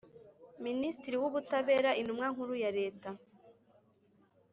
Minisitiri w Ubutabera Intumwa Nkuru ya Leta